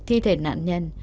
thi thể nạn nhân